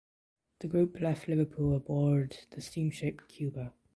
The group left Liverpool aboard the steamship "Cuba".